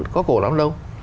có cổ lắm đâu